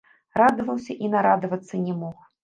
Радаваўся і нарадавацца не мог.